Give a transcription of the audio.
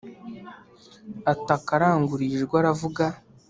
ataka aranguruye ijwi aravuga